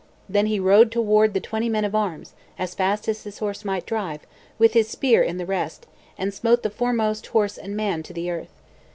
Then he rode toward the twenty men of arms as fast as his horse might drive, with his spear in the rest, and smote the foremost horse and man to the earth.